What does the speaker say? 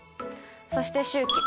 そして終期。